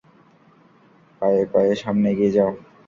পায়ে পায়ে সামনে এগিয়ে যাও।